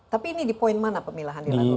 tapi ini di poin mana pemilahan dilakukan